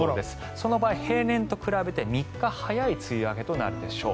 その場合、平年と比べて３日早い梅雨明けとなるでしょう。